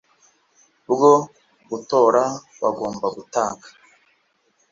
bwo gutora bagomba gutanga